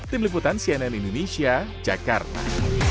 tim liputan cnn indonesia jakarta